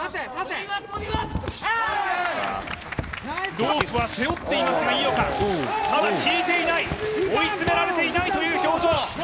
ロープは背負っていますが、効いていない、追い詰められていないという表情。